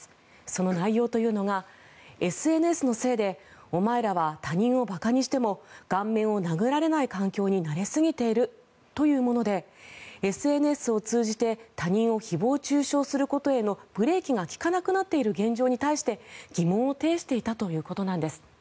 その内容というのがＳＮＳのせいでお前らは他人を馬鹿にしても顔面を殴られない環境に慣れすぎているというものでＳＮＳを通じて他人を誹謗・中傷することへのブレーキが利かなくなっている現状に対して疑問を呈していたということなんです。